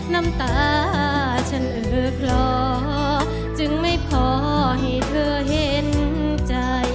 น้ำตาฉันอื่นน้ำตาฉันอื่นน้ำตาฉันอื่น